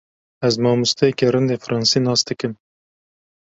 Ez mamosteyekî rind ê fransî nas dikim.